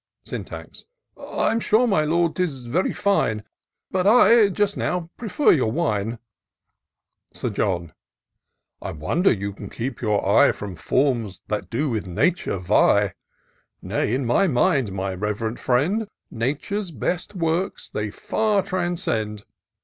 Syntax. " I'm sure, my Lord, 'tis very fine ; But I, just now, prefer your wine." Sir John. " I wonder you can keep your eye From forms that do with Nature vie ! Nay, in my mind, my rev'rend friend. Nature's best works they far transcend.